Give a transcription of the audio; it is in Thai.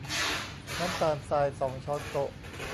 น้ำตาลทราย สองช้อนโต๊ะ